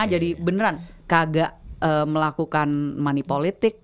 jadi beneran kagak melakukan money politik